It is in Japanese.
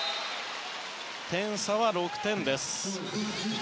点差は６点です。